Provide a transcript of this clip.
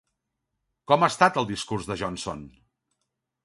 Com ha estat el discurs de Johnson?